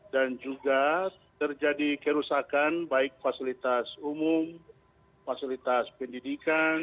dan juga terjadi kerusakan baik fasilitas umum fasilitas pendidikan